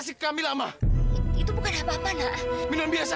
itu pil biasa